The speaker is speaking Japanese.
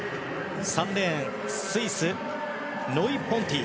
３レーンスイス、ノイ・ポンティ。